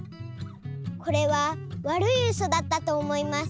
これはわるいウソだったと思います。